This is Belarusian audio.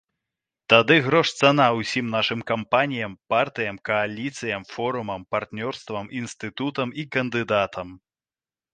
Тады грош цана ўсім нашым кампаніям, партыям, кааліцыям, форумам, партнёрствам, інстытутам і кандыдатам.